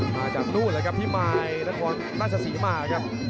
มาจากนู้นเลยครับที่มายรัฐธรรมนาศาสีมากครับ